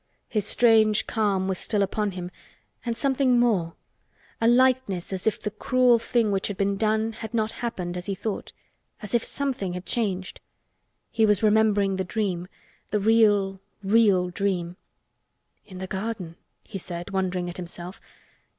His strange calm was still upon him and something more—a lightness as if the cruel thing which had been done had not happened as he thought—as if something had changed. He was remembering the dream—the real—real dream. "In the garden!" he said, wondering at himself.